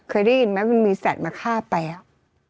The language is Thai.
เคยได้ยินมั้ยว่ามีสัตว์มาฆ่าแป๋ว